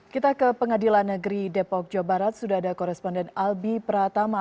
kita ke pengadilan negeri depok jawa barat sudah ada koresponden albi pratama